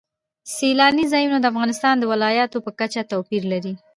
سیلانی ځایونه د افغانستان د ولایاتو په کچه توپیر لري.